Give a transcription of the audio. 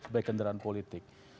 baik kendaraan politik